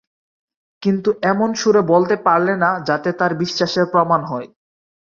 কিন্তু এমন সুরে বলতে পারলে না যাতে তার বিশ্বাসের প্রমাণ হয়।